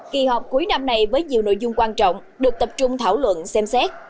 kỳ họp cuối năm này với nhiều nội dung quan trọng được tập trung thảo luận xem xét